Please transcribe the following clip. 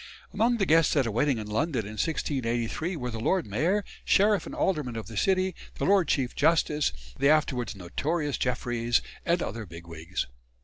Among the guests at a wedding in London in 1683 were the Lord Mayor, Sheriff and Aldermen of the City, the Lord Chief Justice the afterwards notorious Jeffreys and other "bigwigs."